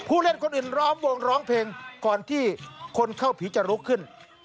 เล่นคนอื่นล้อมวงร้องเพลงก่อนที่คนเข้าผีจะลุกขึ้น